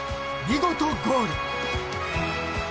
見事ゴール］